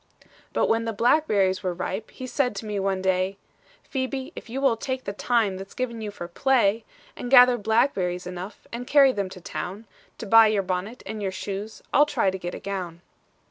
"'But when the blackberries were ripe, He said to me one day, "Phebe, if you will take the time That's given you for play, "'"And gather blackberries enough, And carry them to town, To buy your bonnet and your shoes, I'll try to get a gown."